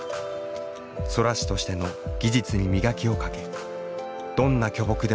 空師としての技術に磨きをかけどんな巨木でも切り倒す。